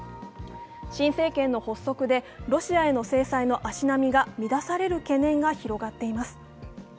新政権の発足で、ロシアへの制裁の足並みが乱される懸念が広がっています。